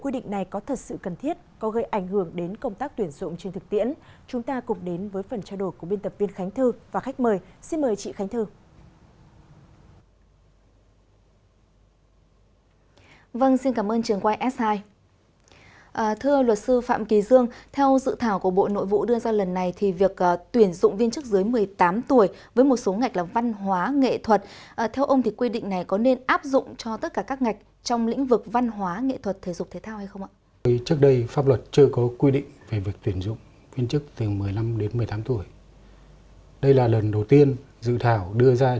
đây là lần đầu tiên dự thảo đưa ra chế định tuyển dụng viên chức từ một mươi năm đến một mươi tám tuổi